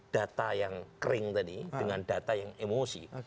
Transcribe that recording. data yang kering tadi dengan data yang emosi